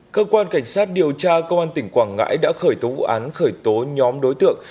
cơ quan cảnh sát điều tra công an tỉnh quảng ngãi đã khởi tố vụ án khởi tố nhóm đối tượng